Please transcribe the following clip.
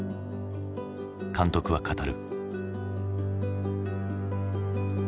監督は語る。